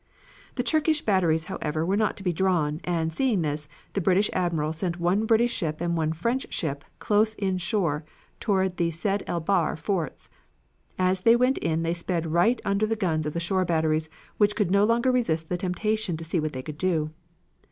The Turkish batteries, however, were not to be drawn, and, seeing this, the British Admiral sent one British ship and one French ship close in shore toward the Sedd el Bahr forts. As they went in they sped right under the guns of the shore batteries, which could no longer resist the temptation to see what they could do.